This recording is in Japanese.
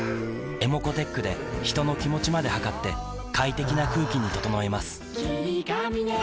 ｅｍｏｃｏーｔｅｃｈで人の気持ちまで測って快適な空気に整えます